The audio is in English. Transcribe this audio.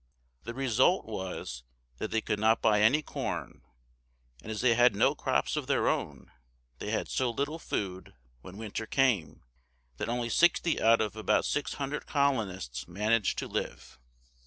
The result was that they could not buy any corn, and as they had no crops of their own, they had so little food, when winter came, that only sixty out of about six hundred colonists managed to live.